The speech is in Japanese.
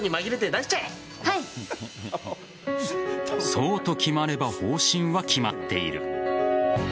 そうと決まれば方針は決まっている。